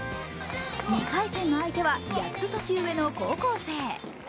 ２回戦の相手は、８つ年上の高校生。